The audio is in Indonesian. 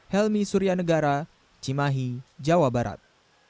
helmi suryanegara cimahi jawa barat